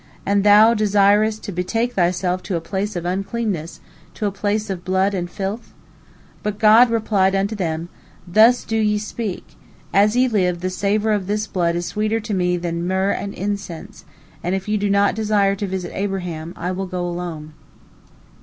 And Thou desirest to betake Thyself to a place of uncleanness, a place of blood and filth?" But God replied unto them, "Thus do ye speak. As ye live, the savor of this blood is sweeter to me than myrrh and incense, and if you do not desire to visit Abraham, I will go alone."